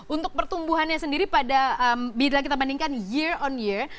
untuk pertumbuhannya sendiri pada bila kita bandingkan year on year